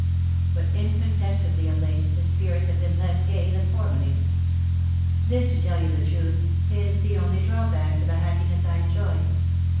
But, inco'ntes tably of late, his spirits have been less gay than formerly. This, to tell you the truth, is the only drawback to the happiness I enjoy.